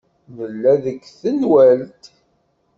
Nella deg tenwalt.